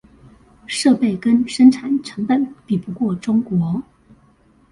設備跟生產成本比不過中國